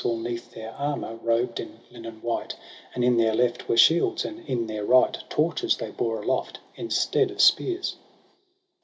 All 'neath their armour robed in linen white j And in their left were shields, and in their right Torches they bore aloft instead of spears.